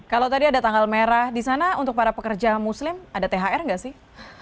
kalau tadi ada tanggal merah di sana untuk para pekerja muslim ada thr nggak sih